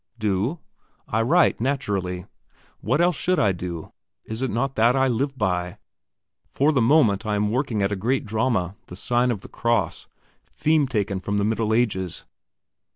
"Do? I write, naturally. What else should I do? Is it not that I live by? For the moment, I am working at a great drama, 'The Sign of the Cross.' Theme taken from the Middle Ages."